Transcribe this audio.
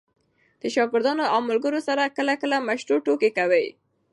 د شاګردانو او ملګرو سره کله – کله مشروع ټوکي کوئ!